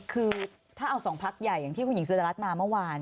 คือถ้าเอาสองพักใหญ่อย่างที่คุณหญิงสุดรัสมาเมื่อวาน